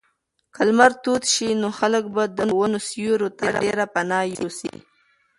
که لمر تود شي نو خلک به د ونو سیوري ته ډېر پناه یوسي.